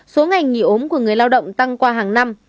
số ngày nghỉ ốm của người lao động tăng qua hàng năm